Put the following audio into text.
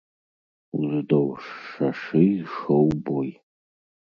Уздоўж шашы ішоў бой.